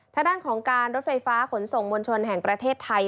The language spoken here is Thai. ทางด้านของการรถไฟฟ้าขนส่งมวลชนแห่งประเทศไทย